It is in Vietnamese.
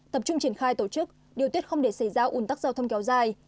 hai tập trung triển khai tổ chức điều tuyết không để xảy ra ủn tắc giao thông kéo dài